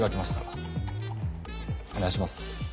お願いします。